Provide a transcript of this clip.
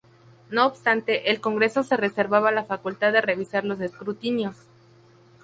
No obstante, el Congreso se reservaba la facultad de revisar los escrutinios.